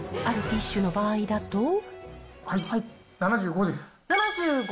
あるティッシュの場合だと。